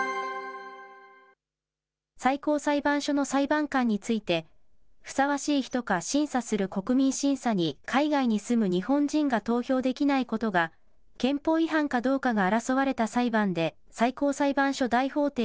最高裁判所の裁判官について、ふさわしい人か審査する国民審査に海外に住む日本人が投票できないことが、憲法違反かどうかが争われた裁判で、最高裁判所大法廷